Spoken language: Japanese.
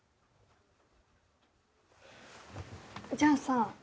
じゃあさ